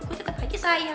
gue tetep aja sayang